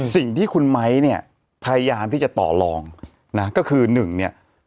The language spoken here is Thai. สิ่งที่คุณไม้เนี่ยพยายามที่จะต่อลองนะก็คือหนึ่งเนี่ย